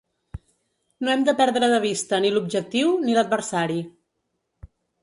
No hem de perdre de vista ni l’objectiu ni l’adversari.